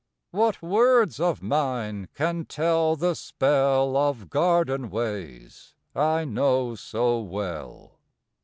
IV. What words of mine can tell the spell Of garden ways I know so well?